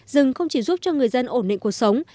rừng không chỉ giúp cho người dân ổn định cuộc sống